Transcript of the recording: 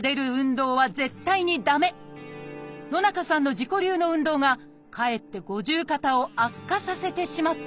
野中さんの自己流の運動がかえって五十肩を悪化させてしまったのです